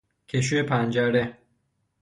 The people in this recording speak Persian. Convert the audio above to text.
کشو پنجره